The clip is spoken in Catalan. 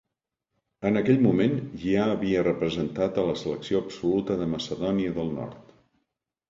En aquell moment ja havia representat a la selecció absoluta de Macedònia del Nord.